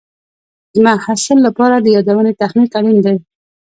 د محصل لپاره د یادونې تخنیک اړین دی.